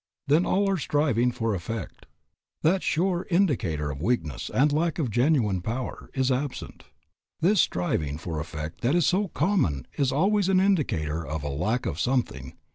Then all striving for effect, that sure indicator of weakness and a lack of genuine power, is absent. This striving for effect that is so common is always an indicator of a lack of something.